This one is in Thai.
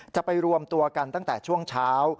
จะไปรวมตัวกันตั้งแต่ช่วงเช้า